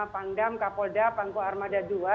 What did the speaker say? pangdam kapolda pangku armada